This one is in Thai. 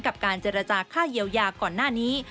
กับการเจรจาค่าเยียวยาก่อนหน้านี้